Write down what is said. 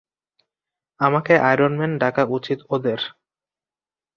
আমাকে আয়রনম্যান ডাকা উচিত ওদের।